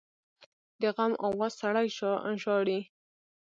د غم آواز سړی ژاړي